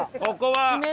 ここは。